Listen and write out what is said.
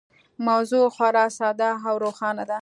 موضوع خورا ساده او روښانه ده.